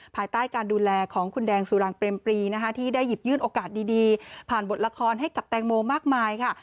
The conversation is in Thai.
ภายใต้การดูแลของคุณแดงสุรางเปรมปรีนะคะที่ได้หยิบยื่นโอกาสดีผ่านบทละครให้กับแตงโมมากมายค่ะ